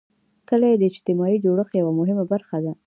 کلي د اجتماعي جوړښت یوه مهمه برخه ده.